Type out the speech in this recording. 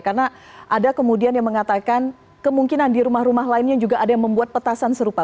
karena ada kemudian yang mengatakan kemungkinan di rumah rumah lainnya juga ada yang membuat petasan serupa